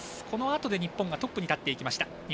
このあと、日本がトップに立っていきました。